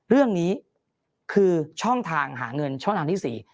เรื่องนี้คือช่องทางหาเงินช่องทางที่๔